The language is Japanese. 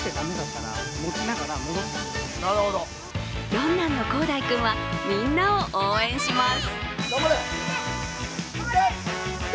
四男の功大君はみんなを応援します。